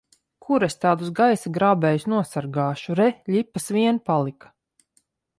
Kur es tādus gaisa grābējus nosargāšu! Re, ļipas vien palika!